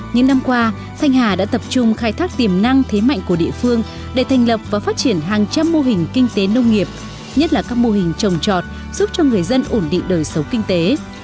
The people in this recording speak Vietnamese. những năm qua thanh hà đã tập trung khai thác tiềm năng thế mạnh của địa phương để thành lập và phát triển hàng trăm mô hình kinh tế nông nghiệp nhất là các mô hình trồng trọt giúp cho người dân ổn định đời sống kinh tế